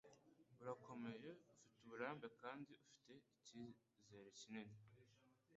Urakomeye, ufite uburambe, kandi ufite icyizere kinini. ”